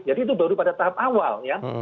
itu baru pada tahap awal ya